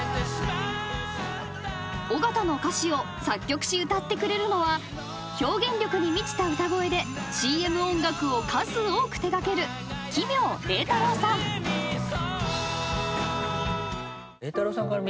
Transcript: ［尾形の歌詞を作曲し歌ってくれるのは表現力に満ちた歌声でＣＭ音楽を数多く手掛ける奇妙礼太郎さん］